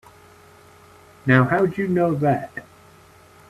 Now how'd you know that?